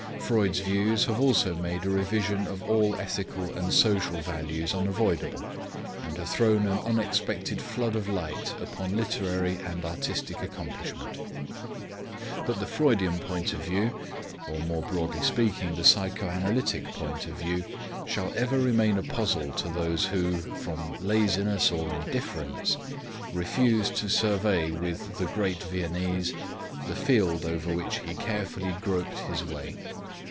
Freud's views have also made a revision of all ethical and social values unavoidable and have thrown an unexpected flood of light upon literary and artistic accomplishment. But the Freudian point of view, or more broadly speaking, the psychoanalytic point of view, shall ever remain a puzzle to those who, from laziness or indifference, refuse to survey with the great Viennese the field over which he carefully groped his way.